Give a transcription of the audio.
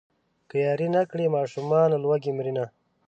که ياري نه کړي ماشومان له لوږې مرينه.